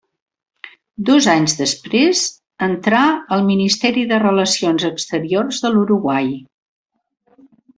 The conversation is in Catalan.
Dos anys després entrà al Ministeri de Relacions Exteriors de l'Uruguai.